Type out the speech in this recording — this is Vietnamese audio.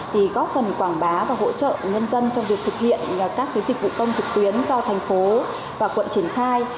thực hiện các dịch vụ công trực tuyến do thành phố và quận triển khai